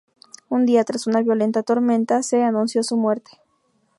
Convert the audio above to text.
Un día, tras una violenta tormenta, se anunció su muerte.